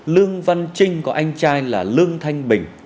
lương văn trinh có anh trai là lương thanh bình